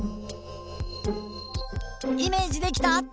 イメージできた？